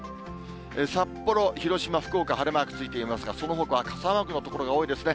札幌、広島、福岡、晴れマークついていますが、そのほかは傘マークの所が多いですね。